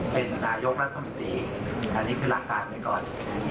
เป็นนายกรัฐมนตรีอันนี้คือหลักการไว้ก่อน